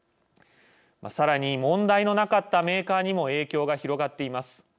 さらに、問題のなかったメーカーにも影響が広がっています。